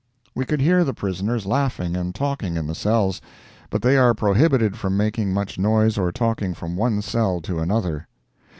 We could hear the prisoners laughing and talking in the cells, but they are prohibited from making much noise or talking from one cell to another.